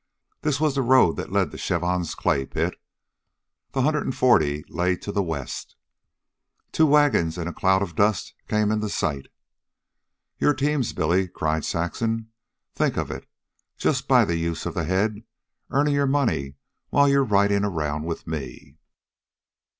This was the road that led to Chavon's clay pit. The hundred and forty lay to the west. Two wagons, in a cloud of dust, came into sight. "Your teams, Billy," cried Saxon. "Think of it! Just by the use of the head, earning your money while you're riding around with me."